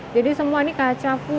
jadi semua ini kaca full